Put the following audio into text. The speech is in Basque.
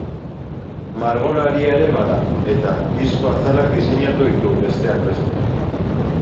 Margolaria ere bada, eta disko-azalak diseinatu ditu, besteak beste.